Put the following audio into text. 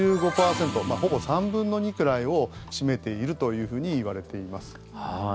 ほぼ３分の２くらいを占めているというふうにいわれています。